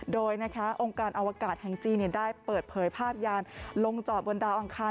โดยองค์การอวกาศแห่งจีนได้เปิดเผยภาพยานลงจอดบนดาวอังคาร